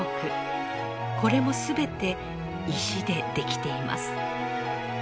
これも全て石で出来ています。